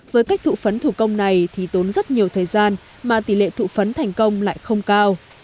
với cách thụ phấn thủ công này thì tốn rất nhiều thời gian mà tỷ lệ thụ phấn thành công lại không cao